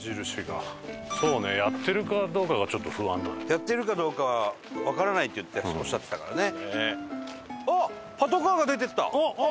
やってるかどうかはわからないっておっしゃってたからね。